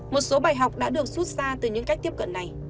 một số bài học đã được rút ra từ những cách tiếp cận này